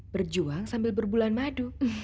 berjuang sambil berbulan madu